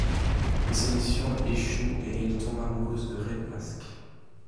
Mais sa mission échoue et elle tombe amoureuse de Red Mask.